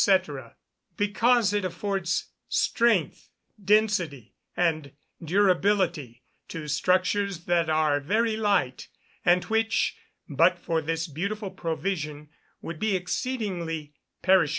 _ Because it affords strength, density, and durability, to structures that are very light, and which, but for this beautiful provision, would be exceedingly perishable.